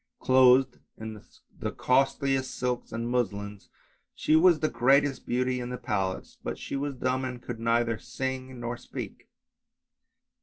Clothed in the costliest silks and muslins she was the greatest beauty in the palace, but she was dumb and could neither sing nor speak.